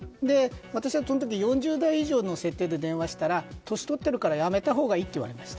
私はその時４０代以上の設定で電話したら年を取っているからやめたほうがいいといわれました。